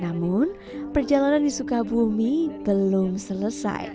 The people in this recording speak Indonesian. namun perjalanan di sukabumi belum selesai